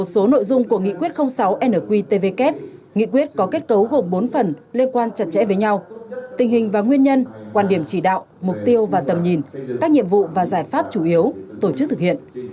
một số nội dung của nghị quyết sáu nqtvk nghị quyết có kết cấu gồm bốn phần liên quan chặt chẽ với nhau tình hình và nguyên nhân quan điểm chỉ đạo mục tiêu và tầm nhìn các nhiệm vụ và giải pháp chủ yếu tổ chức thực hiện